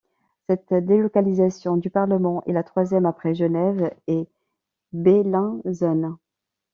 Cette délocalisation du parlement est la troisième après Genève et Bellinzone.